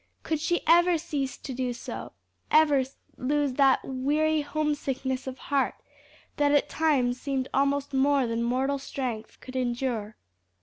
Could she ever cease to do so? ever lose that weary homesickness of heart that at times seemed almost more than mortal strength could endure?